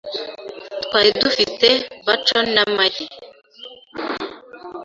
Twari dufite bacon n'amagi .